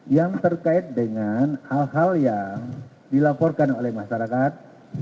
yang terkait dengan hal hal yang dilaporkan oleh masyarakat